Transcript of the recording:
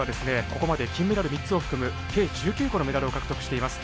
ここまで金メダル３つを含む計１９個のメダルを獲得しています。